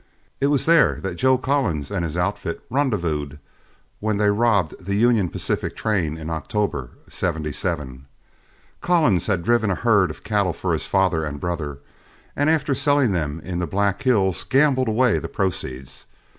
It was there that Joel Collins and his outfit rendezvoused when they robbed the Union Pacific train in October, '77. Collins had driven a herd of cattle for his father and brother, and after selling them in the Black Hills, gambled away the proceeds.